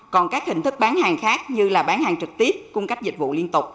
còn các hình thức bán hàng khác như là bán hàng trực tiếp cung cấp dịch vụ liên tục